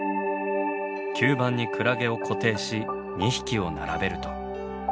吸盤にクラゲを固定し２匹を並べると。